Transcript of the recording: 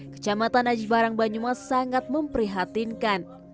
kecamatan aji barang banyumas sangat memprihatinkan